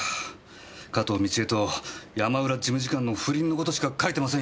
加東倫恵と山浦事務次官の不倫の事しか書いてませんよ。